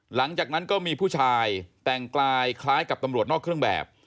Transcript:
หลังจากนั้นก็มีผู้ชายแต่งกายคล้ายกับตำรวจนอกเครื่องแบบ